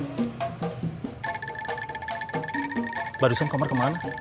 mbak dusun kamar kemana